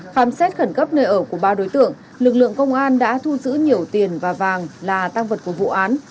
khám xét khẩn cấp nơi ở của ba đối tượng lực lượng công an đã thu giữ nhiều tiền và vàng là tăng vật của vụ án